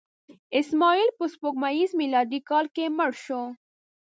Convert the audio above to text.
اسماعیل په سپوږمیز میلادي کال کې مړ شو.